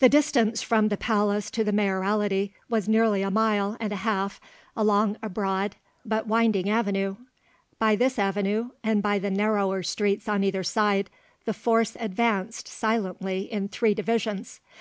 The distance from the palace to the Mayoralty was nearly a mile and a half along a broad but winding avenue; by this avenue, and by the narrower streets on either side, the force advanced silently in three divisions.